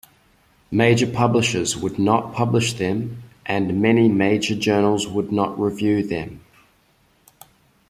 Major publishers would not publish them and many major journals would not review them.